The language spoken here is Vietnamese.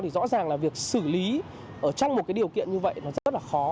thì rõ ràng là việc xử lý trong một cái điều kiện như vậy nó rất là khó